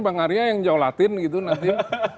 bank arya yang jauh latin gitu nanti